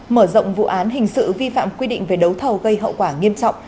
mở rộng vụ án hình sự vi phạm quy định về đấu thầu gây hậu quả nghiêm trọng